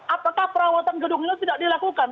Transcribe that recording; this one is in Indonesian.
apakah perawatan gedung ini tidak dilakukan